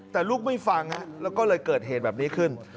แต่ลูกไม่ฟังแล้วก็เลยเกิดเหตุแบบนี้ขึ้น